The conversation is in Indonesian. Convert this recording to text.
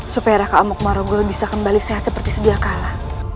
supaya raka amok morogo bisa kembali sehat seperti sedia kala